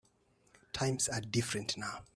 Times are different now.